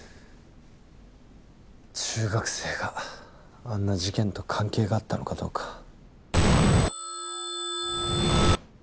中学生があんな事件と関係があったのかどうか。